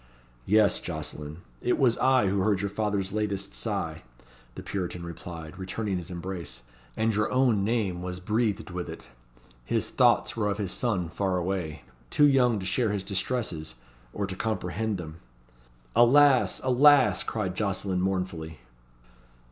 "Yes, Jocelyn, it was I who heard your father's latest sigh," the Puritan replied, returning his embrace, "and your own name was breathed with it. His thoughts were of his son far away too young to share his distresses, or to comprehend them." "Alas! alas!" cried Jocelyn mournfully.